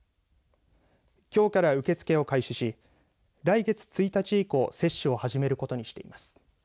きょうから受け付けを開始し来月１日以降接種を始めることにしています。